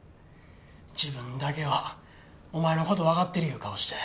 自分だけはお前の事わかってるいう顔して。